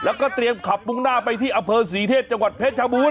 แล้วก็เตรียมขับมุ่งหน้าไปที่อำเภอศรีเทพจังหวัดเพชรชบูรณ